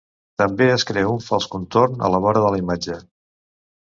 També es crea un fals contorn a la vora de la imatge.